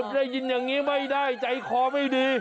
ได้ยินอย่างนี้ไม่ได้ใจคอไม่ดี